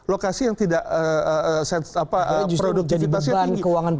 lokasi yang tidak produk jenis yang tinggi